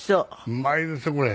うまいですよこれ。